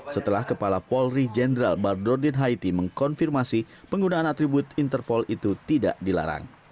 setelah kepala polri jenderal bardodin haiti mengkonfirmasi penggunaan atribut interpol itu tidak dilarang